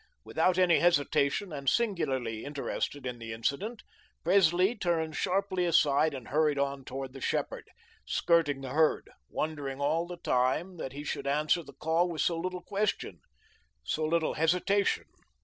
Without any hesitation, and singularly interested in the incident, Presley turned sharply aside and hurried on toward the shepherd, skirting the herd, wondering all the time that he should answer the call with so little question, so little hesitation.